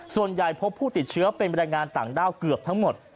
ส่วนใหญ่พบผู้ติดเชื้อเป็นบรรยายงานต่างด้าวเกือบทั้งหมด